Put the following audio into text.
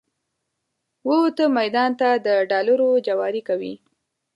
ووته میدان ته د ډالرو جواري کوي